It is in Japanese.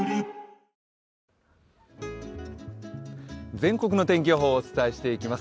全国の天気予報をお伝えしていきます。